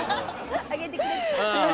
上げてくれた。